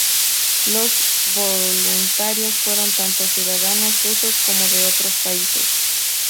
Los voluntarios fueron tanto los ciudadanos rusos como de otros países.